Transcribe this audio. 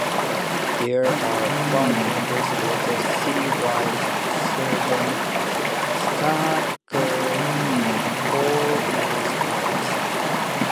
There are five members elected citywide serving staggered four-year terms.